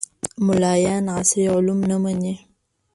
ملایان عصري علوم نه مني